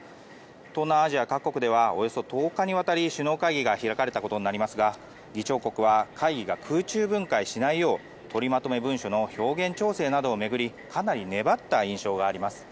東南アジア各国ではおよそ１０日にわたり首脳会議が開かれたことになりますが議長国は会議が空中分解しないよう取りまとめ文書の表現調整などを巡りかなり粘った印象があります。